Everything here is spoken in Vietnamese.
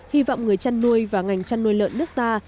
hy vọng người chăn nuôi và ngành chăn nuôi lợn nước ta